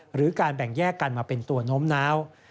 หรือการแบ่งแยกกันมาเป็นตัวโน้มน้าว